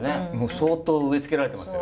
相当植え付けられてますよ。